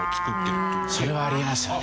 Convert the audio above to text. それはあり得ますよね。